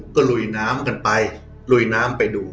ก็ลุยน้ำกันไปไปดู